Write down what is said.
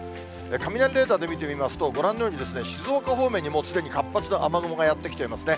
雷レーダーで見てみますと、ご覧のように、静岡方面にもうすでに活発な雨雲がやって来ていますね。